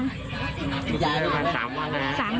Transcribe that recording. คุณลูกกินไปได้๓วันแล้ว